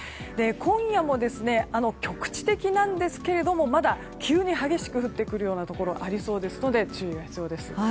今夜も局地的なんですけどまだ急に激しく降りそうなところがありそうですので注意が必要です。